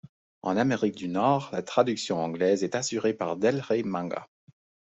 En Amérique du Nord, la traduction anglaise est assurée par Del Rey Manga.